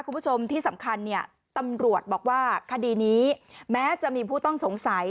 คุณผู้ชมที่สำคัญเนี่ยตำรวจบอกว่าคดีนี้แม้จะมีผู้ต้องสงสัย